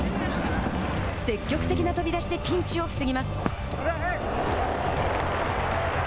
積極的な飛び出しでピンチを防ぎます。